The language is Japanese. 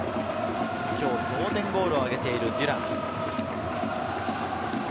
今日、同点ゴールを挙げているデュラン。